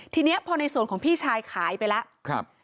ทีนี้พอในส่วนของพี่ชายขายไปแล้วครับ